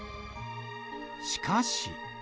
しかし。